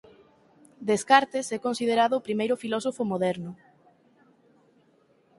Descartes é considerado o primeiro filósofo moderno.